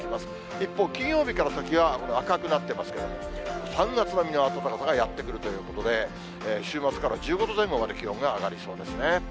一方、金曜日から先は赤くなっていますけれども、３月並みの暖かさがやって来るということで、週末から１５度前後まで気温が上がりそうですね。